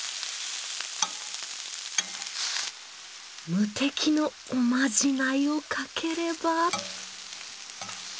無敵のおまじないをかければ。